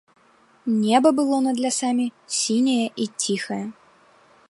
Неба было над лясамі сіняе і ціхае.